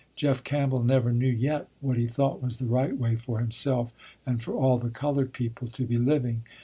Jeff Campbell never knew yet, what he thought was the right way, for himself and for all the colored people to be living.